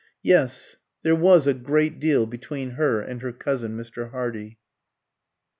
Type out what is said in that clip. Yes, there was a great deal between her and her cousin Mr. Hardy.